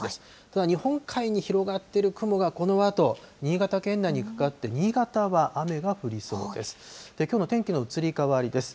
ただ日本海に広がってる雲が、このあと、新潟県内にかかって、新潟は雨が降りそうです。